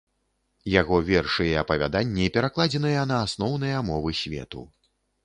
Яго вершы і апавяданні перакладзеныя на асноўныя мовы свету.